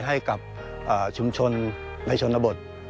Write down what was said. ให้กับชุมชนในชนบท